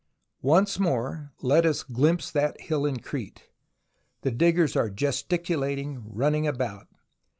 Once more let us glimpse that hill in Crete. The diggers are gesticulating, running about.